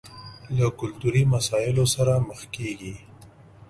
له کلتوري مسايلو سره مخ کېږي.